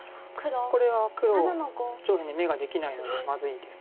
これは黒上辺で眼ができないのでまずいです。